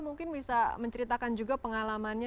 mungkin bisa menceritakan juga pengalamannya